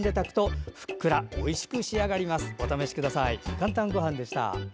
「かんたんごはん」でした。